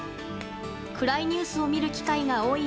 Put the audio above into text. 暗いニュースを見る機会が多い